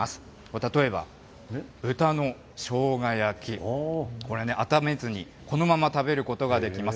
例えば、豚の生姜焼き、これね、あっためずにこのまま食べることができます。